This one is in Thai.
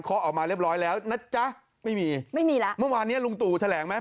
เขาออกมาเรียบร้อยแล้วนะจ๊ะไม่มีไม่มีแล้วเมื่อวานเนี้ยลุงตู่แถลงไหม